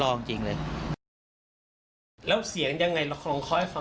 แล้วเสียงยังไงขอเล้วสิขอให้ฟัง